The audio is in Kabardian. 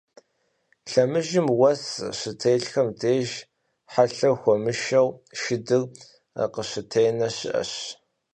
Лъэмыжым уэс щытелъхэм деж, хьэлъэр хуэмышэу, шыдыр къыщытенэ щыӀэт.